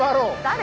誰？